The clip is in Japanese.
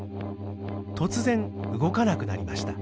突然動かなくなりました。